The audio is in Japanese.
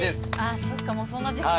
そっかもうそんな時間か。